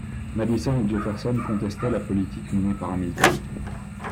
Madison et Jefferson contestaient la politique menée par Hamilton.